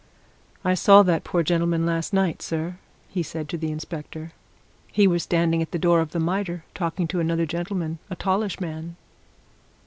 "I saw that poor gentleman last night, sir," he said to the inspector. "He was standing at the door of the Mitre, talking to another gentleman a tallish man."